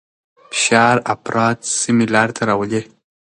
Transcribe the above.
فشار افراد سمې لارې ته راولي.